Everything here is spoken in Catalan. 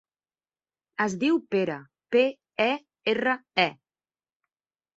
Es diu Pere: pe, e, erra, e.